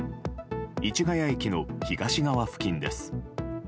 市ヶ谷駅の東側付近です。